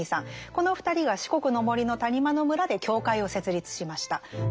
この２人が四国の森の谷間の村で教会を設立しました。